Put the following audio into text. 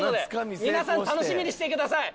皆さん楽しみにしてください！